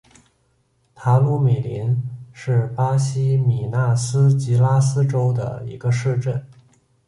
塔鲁米林是巴西米纳斯吉拉斯州的一个市镇。